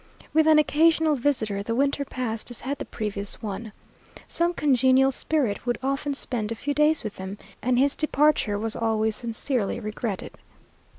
With an occasional visitor, the winter passed as had the previous one. Some congenial spirit would often spend a few days with them, and his departure was always sincerely regretted.